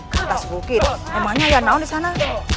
ke atas bukit emangnya yanao disana